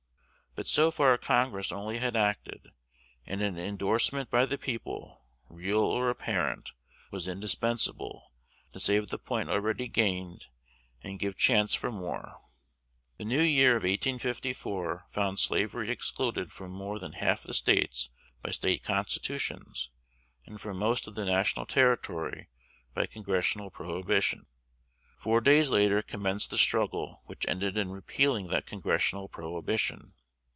But so far Congress only had acted; and an indorsement by the people, real or apparent, was indispensable, to save the point already gained and give chance for more. The New Year of 1854 found slavery excluded from more than half the States by State constitutions, and from most of the national territory by congressional prohibition. Four days later commenced the struggle which ended in repealing that congressional prohibition.